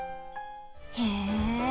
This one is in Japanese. へえ。